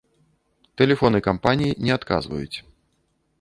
Тэлефоны кампаніі не адказваюць.